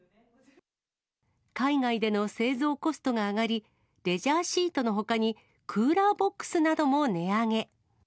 海外での製造コストが上がり、レジャーシートのほかに、クーラーボックスなども値上げ。